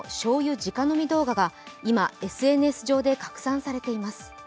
直飲み動画が今、ＳＮＳ上で拡散されています。